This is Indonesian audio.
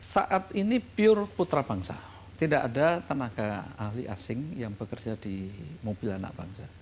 saat ini pure putra bangsa tidak ada tenaga ahli asing yang bekerja di mobil anak bangsa